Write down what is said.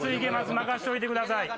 任しといてください。